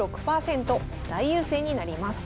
大優勢になります。